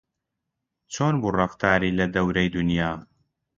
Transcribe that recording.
چۆن بوو ڕەفتاری لە دەورەی دونیا